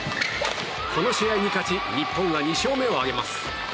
この試合に勝ち日本が２勝目を挙げます。